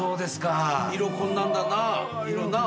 色こんなんだな？